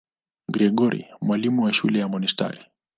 Gregori, mwalimu wa shule ya monasteri.